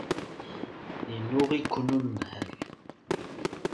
Yennuɣ-iken unemhal.